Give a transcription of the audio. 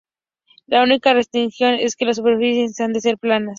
La única restricción es que las superficies han de ser planas.